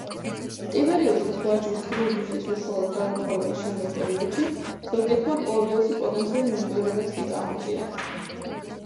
ტიბერიუსის ვაჟის, დრუზუსის უშუალოდ გარდაცვალების შემდეგ პერიოდში, ზოგიერთმა კლავდიუსი პოტენციურ მემკვიდრედაც კი წამოსწია.